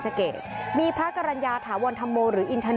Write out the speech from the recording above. สวัสดีครับทุกคน